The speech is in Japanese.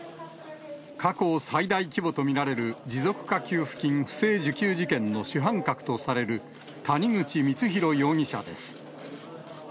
過去最大規模と見られる持続化給付金不正受給事件の主犯格とされる谷口光弘容疑者です。